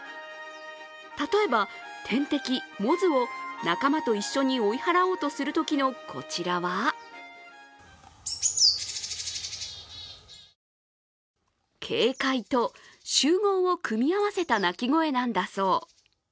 例えば、天敵・モズを仲間と一緒に追い払おうとするときの、こちらは警戒と集合を組み合わせた鳴き声なんだそう。